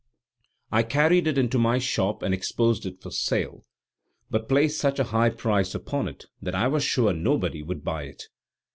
I carried it into my shop and exposed it for sale, but placed such a high price upon it that I was sure nobody would buy it.